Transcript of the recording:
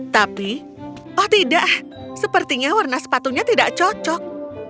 tapi oh tidak sepertinya warna sepatunya tidak cocok